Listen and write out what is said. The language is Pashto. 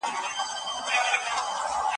که ښځې کار وکړي، اقتصادي فشار نه زیاتېږي.